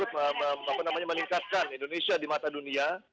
tentu kita semua punya peran yang baik dalam ikut meningkatkan indonesia di mata dunia